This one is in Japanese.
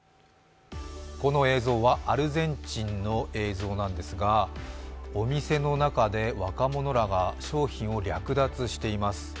この映像はアルゼンチンの映像なんですが、お店の中で若者らが商品を略奪しています。